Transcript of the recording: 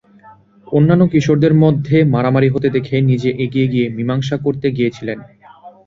অন্যান্য কিশোরদের মধ্যে মারামারি হতে দেখে নিজে এগিয়ে গিয়ে মীমাংসা করতে গিয়েছিলেন।